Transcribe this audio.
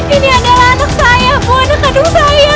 ini adalah anak saya bu anak kandung saya